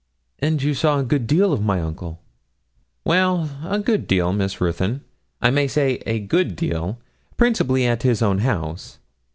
'And you saw a good deal of my uncle?' 'Well, a good deal, Miss Ruthyn I may say a good deal principally at his own house.